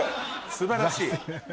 素晴らしい！